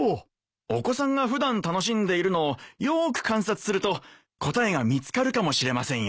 お子さんが普段楽しんでいるのをよーく観察すると答えが見つかるかもしれませんよ。